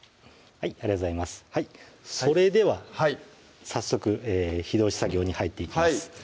ありがとうございますそれでは早速火通し作業に入っていきます